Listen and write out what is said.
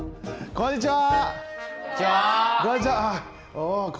こんにちは！